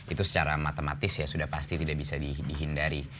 itu secara matematis ya sudah pasti tidak bisa dihindari